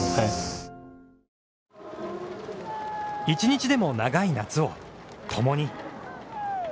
１日でも長い夏をともに。